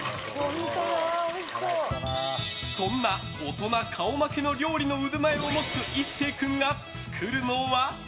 そんな大人顔負けの料理の腕前を持つ壱晟君が作るのは。